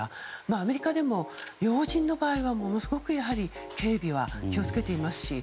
アメリカでも要人の場合はものすごく、やはり警備は気を付けていますし。